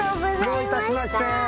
どういたしまして。